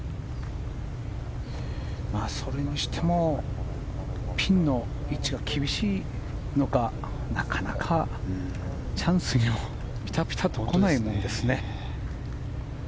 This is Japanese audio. それにしてもピンの位置が厳しいのかなかなか、チャンスにピタピタとこないですね。